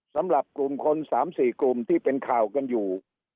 สำหรับกลุ่มคน๓๔กลุ่มที่เป็นข่าวกันอยู่